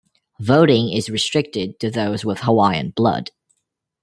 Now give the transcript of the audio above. Voting is restricted to those with Hawaiian blood.